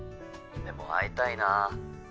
でも会いたいな。